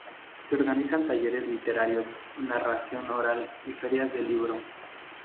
Se organizan talleres literarios y narración oral y ferias del libro.